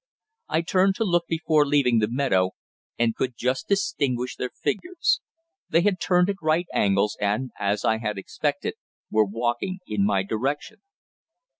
I turned to look before leaving the meadow, and could just distinguish their figures. They had turned at right angles, and, as I had expected, were walking in my direction.